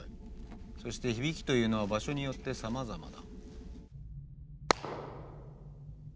そして響きというのは場所によってさまざまだ。